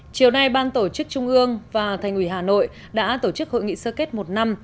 chiều nay ban tổ chức trung ương và thành ủy hà nội đã tổ chức hội nghị sơ kết một năm